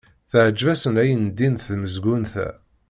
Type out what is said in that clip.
Teɛjeb-asen ayendin tmezgunt-a.